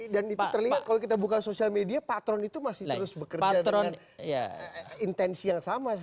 dan itu terlihat kalau kita buka sosial media patron itu masih terus bekerja dengan intensi yang sama